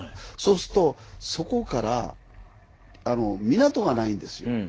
そうするとそこから港がないんですよ。